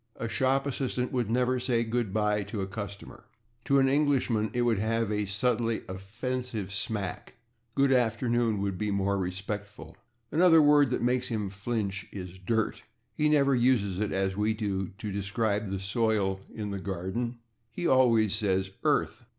A shop assistant would never say /good bye/ to a customer. To an Englishman it would have a subtly offensive smack; /good afternoon/ would be more respectful. Another word that makes him flinch is /dirt/. He never uses it, as we do, to describe the soil in the garden; he always says /earth